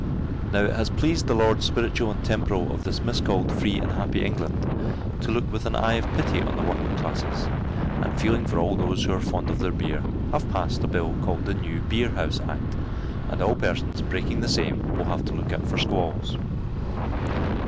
Now it has pleased the Lords spiritual and temporal of this miscalled free and happy England, to look with an eye of pity on the working classes; and feeling for all those who are fond of their beer, have passed a bill called the New Beer House Act, and all persons breaking the same will have to look out for squalls.